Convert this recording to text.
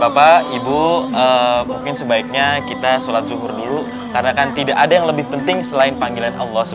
bapak ibu mungkin sebaiknya kita sholat zuhur dulu karena kan tidak ada yang lebih penting selain panggilan allah